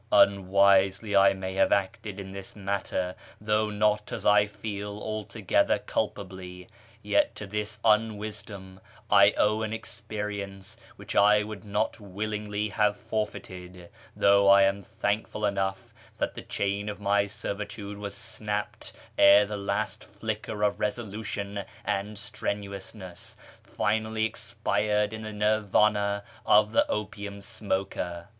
Unwisely I may have acted in this matter, though not, as I feel, altogether culpably ; yet to this unwisdom I owe an experience which I would not willingly have forfeited, though I am thankful enough that the chain of my servitude was snapped ere the last flicker of resolution and strenuous ness finally expired in the Nirvana of the opium smoker.